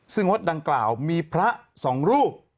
ซึ่งวัดดังกล่าวมีพระสองรูป